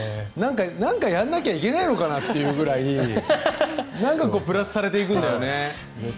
何かやらなきゃいけないのかなっていうぐらいプラスされていくんだよね。